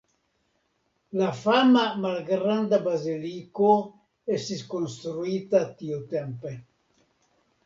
La fama malgranda baziliko estis konstruita tiutempe.